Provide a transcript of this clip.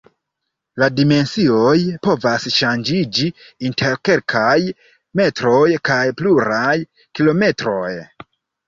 La dimensioj povas ŝanĝiĝi inter kelkaj metroj kaj pluraj kilometroj.